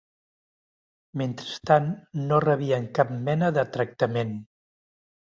Mentrestant no rebien cap mena de tractament